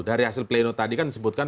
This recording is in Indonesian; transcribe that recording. dari hasil pleno tadi kan disebutkan